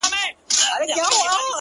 • پر سر یې واوري اوروي پای یې ګلونه,